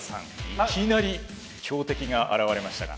いきなり強敵が現れましたが。